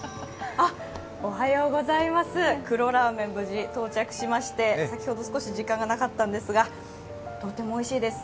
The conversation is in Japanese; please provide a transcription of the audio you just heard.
黒ラーメン、無事、到着しまして先ほど少し時間がなかったんですが、とてもおいしいです。